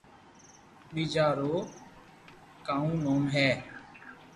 ٻيجا رو ڪاونو ھي